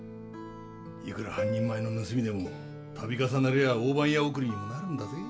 いくら半人前の盗みでも度重なりゃ大番屋送りにもなるんだぜ。